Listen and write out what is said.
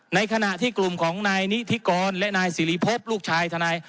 ในขณะที่กลุ่มของนายนิธิกรและนายสิริพบลูกชายทนาย